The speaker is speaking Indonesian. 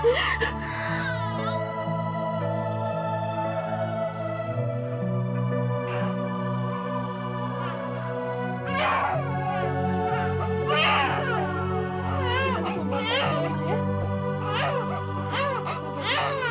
ada apa ini pak